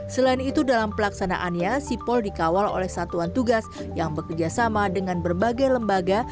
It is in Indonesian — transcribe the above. selain itu dalam pelaksanaannya sipol dikawal oleh satuan tugas yang bekerjasama dengan berbagai lembaga